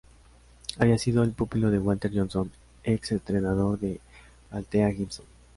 Había sido el pupilo de Walter Johnson, ex-entrenador de Althea Gibson.